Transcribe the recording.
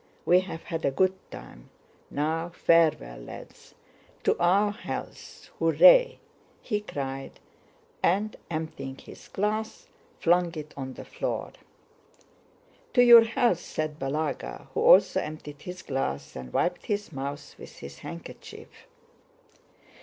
We have had a good time—now farewell, lads! To our health! Hurrah!..." he cried, and emptying his glass flung it on the floor. "To your health!" said Balagá who also emptied his glass, and wiped his mouth with his handkerchief.